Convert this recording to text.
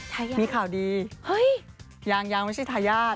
ทายาทมีข่าวดีเฮ้ยยังไม่ใช่ทายาท